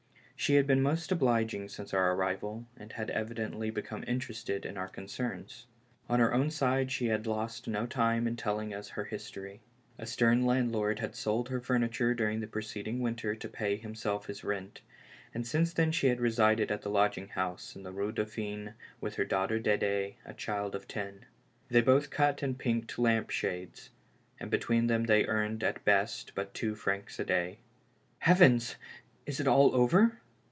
She had been most obliging since our arri val, and had evidently become interested in our concerns. On her own side she had lost no time in telling us her history. A stern landlord had sold her furniture during the preceding winter to pay himself his rent, and since then she had resided at the lodging house in the Rue Dauphine with her daughter D^dd, a child of ten. They both cut and pinked lampshades; and between them they earned at best but two francs a day. "Heavens! is it all over?